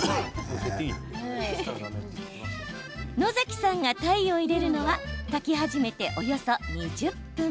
野崎さんが鯛を入れるのは炊き始めておよそ２０分。